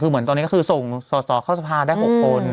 คือเหมือนตอนนี้ก็คือส่งส่อเข้าสภาได้๖คน